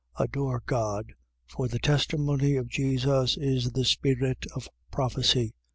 Adore God. For the testimony of Jesus is the spirit of prophecy.